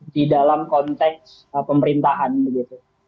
di dalam konteks pemerintahan begitu